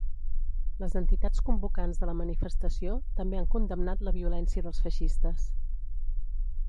Les entitats convocants de la manifestació també han condemnat la violència dels feixistes.